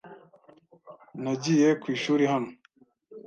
Nagiye ku ishuri hano.